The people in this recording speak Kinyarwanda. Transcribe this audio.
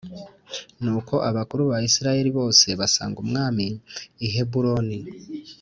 Nuko abakuru ba Isirayeli bose basanga umwami i Heburoni.